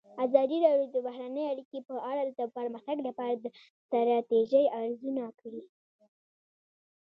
ازادي راډیو د بهرنۍ اړیکې په اړه د پرمختګ لپاره د ستراتیژۍ ارزونه کړې.